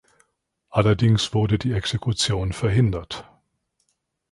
Allerdings wurde die Exekution verhindert.